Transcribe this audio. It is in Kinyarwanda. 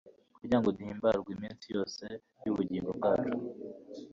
kugira ngo duhimbarwe iminsi yose y'ubugingo bwacu